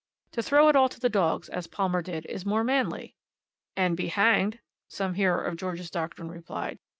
To throw it all to the dogs, as Palmer did, is more manly." "And be hanged," some hearer of George's doctrine replied.